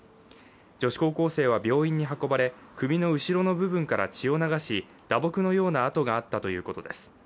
女子高校生は病院に運ばれ、首の後ろの部分から血を流し打撲のような跡があったということです。